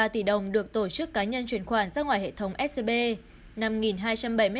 ba mươi ba tỷ đồng được tổ chức cá nhân truyền khoản ra ngoài hệ thống scb